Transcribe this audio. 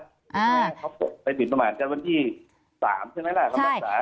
แค่เขาปล่อยไปผิดประมาณกันวันที่๓ใช่ไหมล่ะ